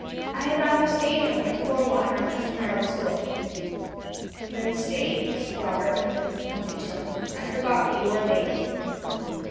I had rather stay at home and pour water on cousin Harold's foot." "Then stay," said Robert, in a disappointed tone; "I forgot that you were a baby."